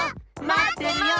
まってるよ！